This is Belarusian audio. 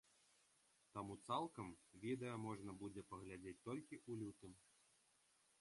Таму цалкам відэа можна будзе паглядзець толькі ў лютым.